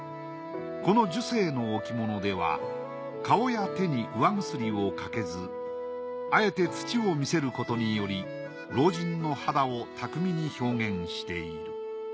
この寿星の置物では顔や手に釉をかけずあえて土を見せることにより老人の肌を巧みに表現している。